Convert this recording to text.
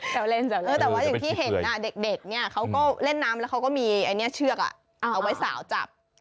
แต่ว่าอย่างที่เห็นเด็กเนี่ยเขาก็เล่นน้ำแล้วเขาก็มีอันนี้เชือกเอาไว้สาวจับ